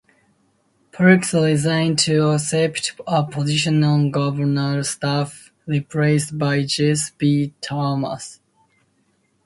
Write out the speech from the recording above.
Parks resigned to accept a position on Governor's staff, replaced by Jesse B. Thomas.